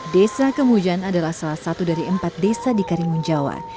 desa kemujan adalah salah satu dari empat desa di karimun jawa